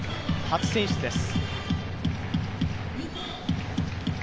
初選出です。